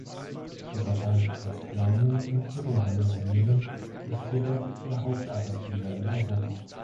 Der Bereich der kleinen und mittleren Unternehmen ist jedoch der Hauptarbeitgeber in Europa.